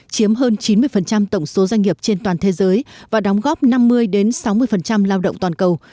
chiếm hơn chín mươi tổng số doanh nghiệp trên toàn thế giới và đóng góp năm mươi sáu mươi lao động toàn cầu